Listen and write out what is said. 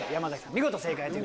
見事正解。